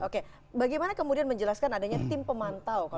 oke bagaimana kemudian menjelaskan adanya tim pemantau kalau begitu